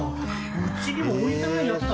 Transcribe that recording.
うちにも置いてないやつだ！